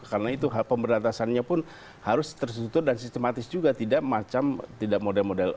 karena itu pemberantasannya pun harus terstruktur dan sistematis juga tidak macam tidak model model